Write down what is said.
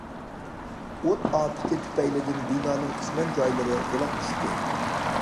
ئوت ئاپىتى تۈپەيلىدىن بىنانىڭ قىسمەن جايلىرى غۇلاپ چۈشتى.